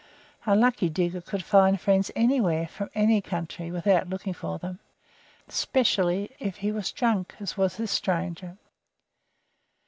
A lucky digger could find friends anywhere, from any country, without looking for them, especially if he was drunk, as was this stranger.